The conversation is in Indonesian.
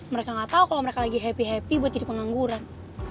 mereka gak tau kalo mereka lagi happy happy buat jadi pengangguran